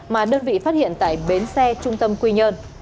mà đơn vị phát hiện tại bến xe trung tâm quy nhơn